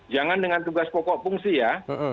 jangan dengan tugas pokok fungsi ya